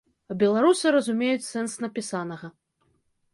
А беларусы разумеюць сэнс напісанага.